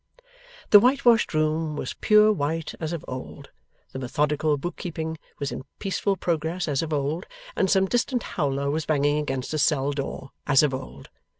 The whitewashed room was pure white as of old, the methodical book keeping was in peaceful progress as of old, and some distant howler was banging against a cell door as of old.